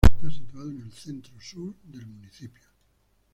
Está situado en el centro-sur del municipio.